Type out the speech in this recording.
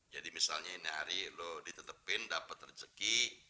jadi misalnya ini hari lu ditetepin dapet rezeki